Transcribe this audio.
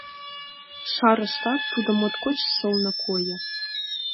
Шарыштат, тудо моткоч сылне койо.